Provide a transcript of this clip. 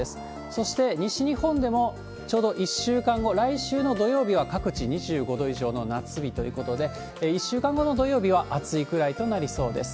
そして、西日本でもちょうど１週間後、来週の土曜日は各地２５度以上の夏日ということで、１週間後の土曜日は、暑いくらいとなりそうです。